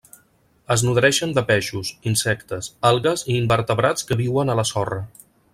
Es nodreixen de peixos, insectes, algues i invertebrats que viuen a la sorra.